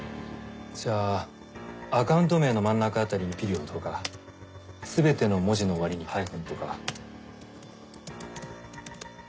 じゃあアカウント名の真ん中辺りにピリオドとか全ての文字の終わりにハイフンとか。